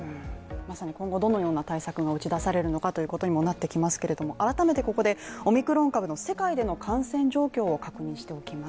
まさに今後どのような対策が打ち出されるのかということにもなってきますけれども、改めてここでオミクロン株の世界での感染状況を確認しておきます。